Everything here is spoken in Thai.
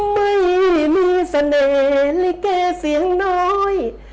ไม่มีแสดงลิเกร์เสียงน้อย